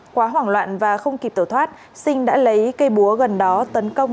quá hoảng loạn và không kịp tẩu thoát sinh đã lấy cây búa gần đó tấn công